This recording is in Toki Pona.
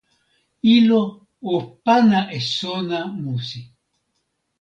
ilo o pana e sona musi.